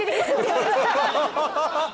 ハハハハ。